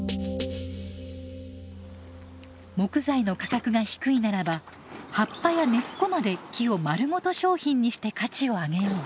木材の価格が低いならば葉っぱや根っこまで木をまるごと商品にして価値を上げよう。